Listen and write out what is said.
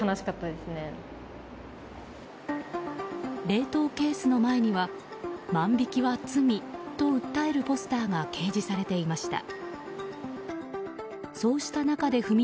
冷凍ケースの前には万引きは罪と訴えるポスターが掲示されていました。